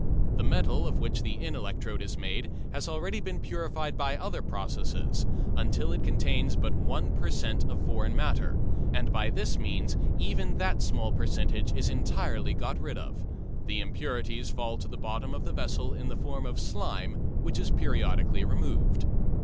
The metal of which the in electrode is made has already been purified by other processes, until it contains but one per cent. of foreign matter, and by this means even that small percentage is entirely got rid of. The impurities fall to the bottom of the vessel in the form of "slime," which is periodically removed.